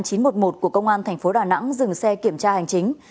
từ ngày chín một mươi một của công an tp đà nẵng dừng xe kiểm tra hành chính